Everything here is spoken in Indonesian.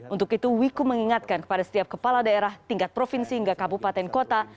untuk itu wiku mengingatkan kepada setiap kepala daerah tingkat provinsi hingga kabupaten kota